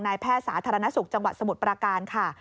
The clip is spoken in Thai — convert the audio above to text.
แพทย์สาธารณสุขจังหวัดสมุทรปราการค่ะ